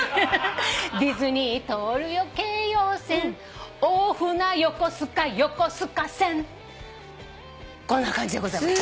「ディズニー通るよ京葉線」「大船横須賀横須賀線」こんな感じでございます。